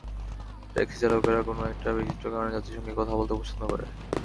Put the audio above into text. Taxi চালকেরা কোনো একটা বিচিত্র কারণে যাত্রীর সঙ্গে কথা বলতে পছন্দ করে।